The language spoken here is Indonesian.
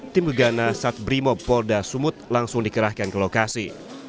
tim begana sat brimo polda sumut langsung dikerahkan ke lokasi